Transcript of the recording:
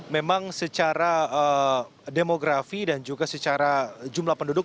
memang secara demografi dan juga secara jumlah penduduk